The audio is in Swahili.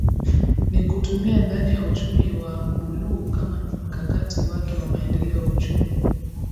Ni kutumia dhana ya uchumi wa buluu kama mkakati wake wa maendeleo ya uchumi